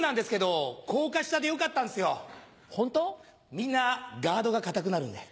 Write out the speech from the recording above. みんなガードが堅くなるので。